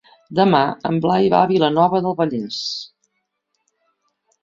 Demà en Blai va a Vilanova del Vallès.